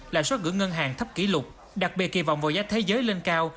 lãi suất gửi ngân hàng thấp kỷ lục đặc biệt kỳ vọng vào giá thế giới lên cao